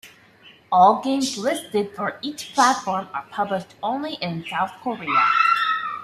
All games listed for each platform are published only in South Korea.